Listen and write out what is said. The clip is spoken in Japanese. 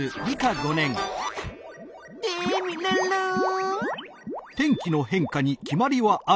テミルンルン！